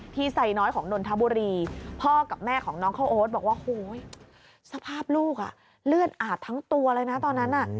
ไซน้อยของนนทบุรีพ่อกับแม่ของน้องข้าวโอ๊ตบอกว่าโหยสภาพลูกเลือดอาบทั้งตัวเลยนะตอนนั้น